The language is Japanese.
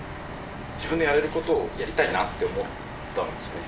自分のやれることをやりたいなって思ったんですよね。